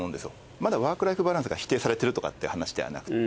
まだワークライフバランスが否定されているとかって話ではなくて。